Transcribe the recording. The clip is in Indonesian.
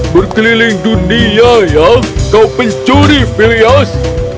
berkeliling dunia ya kau pencuri filias